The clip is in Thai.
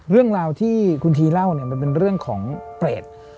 เรื่องราวที่คุณทีเล่าเนี่ยมันเป็นเรื่องของเปรต